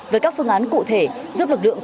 với các phương án cụ thể giúp lực lượng